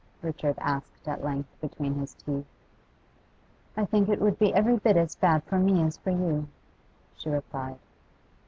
Richard asked at length, between his teeth. 'I think it would be every bit as bad for me as for you,' she replied.